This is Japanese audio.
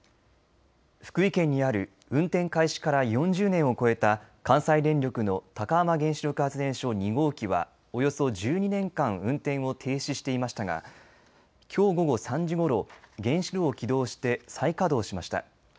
福井県にある運転開始から４０年を超えた関西電力の高浜原子力発電所２号機はおよそ１２年間、運転を停止していましたがきょう午後３時ごろ原子炉を起動して再稼働しました。